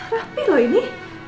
rapi loh ini